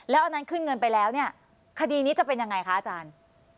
แล้วอันนั้นขึ้นเงินไปแล้วเนี่ยคดีนี้จะเป็นยังไงคะอาจารย์